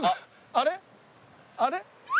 あれ？